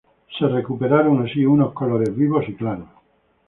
Se recuperaron así sus unos colores vivos y claros.